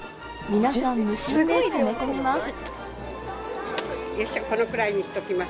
皆さん無心で詰め込みます。